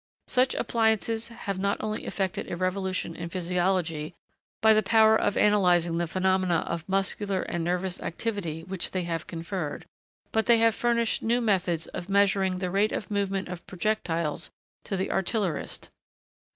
Such appliances have not only effected a revolution in physiology, by the power of analysing the phenomena of muscular and nervous activity which they have conferred, but they have furnished new methods of measuring the rate of movement of projectiles to the artillerist.